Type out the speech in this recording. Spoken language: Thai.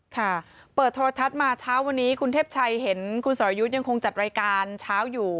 ค่ะเปิดโทรทัศน์มาเช้าวันนี้คุณเทพชัยเห็นคุณสรยุทธ์ยังคงจัดรายการเช้าอยู่